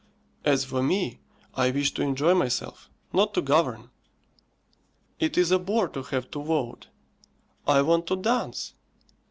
As for me, I wish to enjoy myself; not to govern. It is a bore to have to vote; I want to dance.